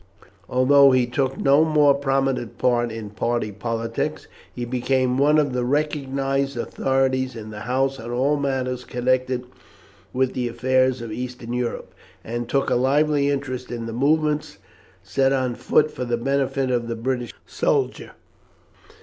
Although he took no very prominent part in party politics he became one of the recognized authorities in the house on all matters connected with the affairs of Eastern Europe, and took a lively interest in the movements set on foot for the benefit of the British soldier.